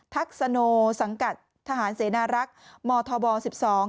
ทักษโนสังกัดทหารเสนารักษ์มธบสิบสอง